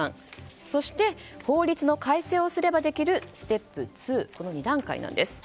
そして法律の改正をすればできるステップ２この２段階なんです。